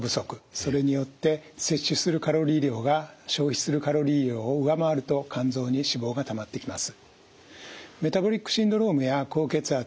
それによって摂取するカロリー量が消費するカロリー量を上回ると肝臓に脂肪がたまってきます。